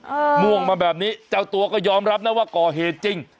ม่วงมาแบบนี้เจ้าตัวก็ยอมรับนะว่าก่อเหตุจริง